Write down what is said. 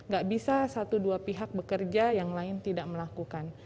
gak bisa satu dua pihak bekerja yang lain tidak melakukan